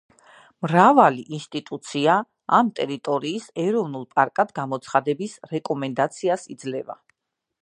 მრავალი ინსტიტუცია ამ ტერიტორიის ეროვნულ პარკად გამოცხადების რეკომენდაციას იძლევა.